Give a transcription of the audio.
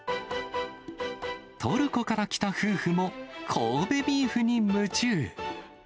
トルコから来た夫婦も、神戸ビーフに夢中。